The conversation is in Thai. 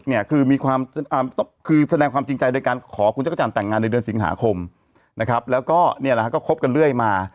เนี่ยนะครับก็คบกันเรื่อยมา